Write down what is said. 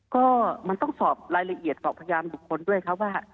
ก็มันต้องสอบรายละเอียดสอบพยานบุคคลด้วยครับว่า